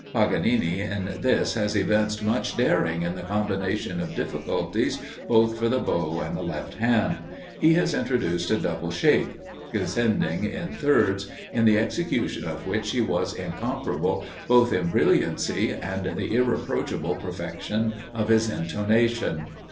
Paganini in this has evinced much daring in the combination of difficulties, both for the bow and the left hand. He has introduced a double shake, descending in thirds in the execution of which he was incomparable, both in brilliancy and the irreproachable perfection of his intonation.